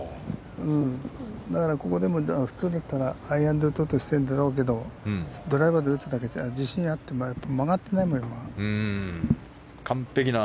だからここでも普通だったらアイアンで打とうとしてるんだろうけどドライバーで打つのは自信があって曲がってないから。